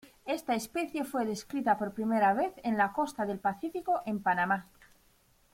Esta especie fue descrita por primera vez en la costa del Pacífico en Panamá.